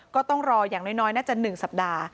ก็ต้องรออย่างน้อยน่าจะ๑สัปดาห์